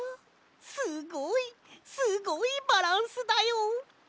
すごいすごいバランスだよ。